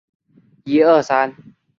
格拉蒂尼。